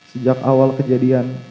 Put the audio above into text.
sejak awal kejadian